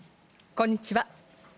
こんにちは。